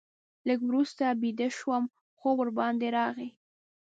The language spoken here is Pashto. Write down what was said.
لږ وروسته بیده شوم، خوب ورباندې راغی.